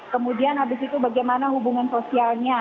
kemudian habis itu bagaimana hubungan sosialnya